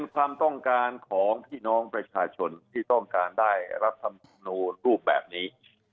ความต้องการของพี่น้องประชาชนที่ต้องการได้รัฐธรรมนูลรูปแบบนี้